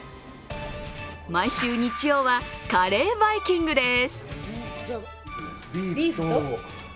毎週日曜はカレーバイキングです。